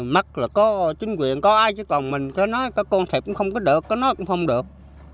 mắc là có chính quyền có ai chứ còn mình có nói có con thịt cũng không có được có nói cũng không được